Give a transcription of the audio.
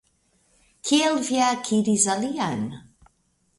Kiel vi akiris alian?